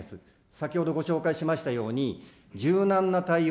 先ほどご紹介しましたように、柔軟な対応、